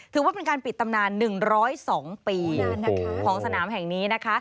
ถือว่าเป็นการปิดตำนาน๑๐๒ปีของสนามแห่งนี้นะคะ